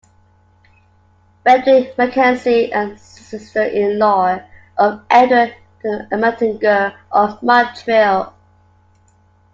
Frederick Mackenzie and sister-in-law of Edward Ermatinger, of Montreal.